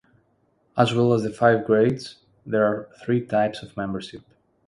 As well as the five grades, there are three types of membership.